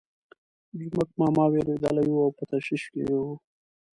جومک ماما وېرېدلی وو او په تشویش کې وو.